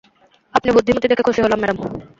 আপনি বুদ্ধিমতী দেখে খুশি হলাম, ম্যাডাম।